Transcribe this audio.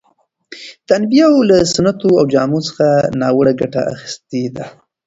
ده د انبیاوو له سنتو او جامو څخه ناوړه ګټه اخیستې ده.